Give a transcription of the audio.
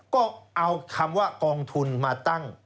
ก็เอาคำว่ากองทุนมาตั้ง